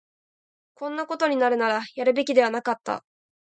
こんなことになるなら、やるべきではなかった